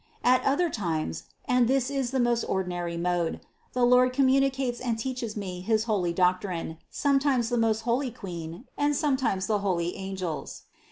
At other times (and this is the most ordinary mode) the Lord communicates and teaches me his holy doctrine, sometimes the most holy Queen, and sometimes the holy angels.